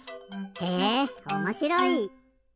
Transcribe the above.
へえおもしろい！